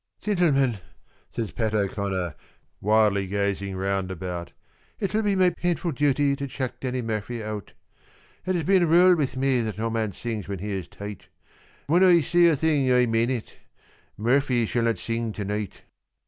"Gintlemin," says Pat O'Connor, wildly gazing round about, "It will be my painful duty to chuck Danny Murphy out; It has been a rule with me that no man sings when he is tight; When Oi say a thing Oi mane it Murphy shall not sing to night."